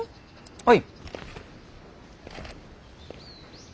はい。